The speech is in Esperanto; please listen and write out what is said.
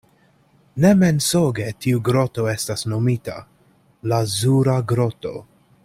Ne mensoge tiu groto estas nomita: lazura groto.